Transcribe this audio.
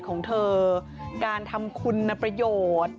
ของเธอการทำคุณประโยชน์